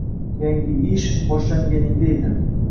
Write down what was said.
Yangi ish boshlaganingda edi.